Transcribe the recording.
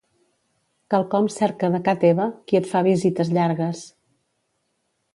Quelcom cerca de ca teva qui et fa visites llargues.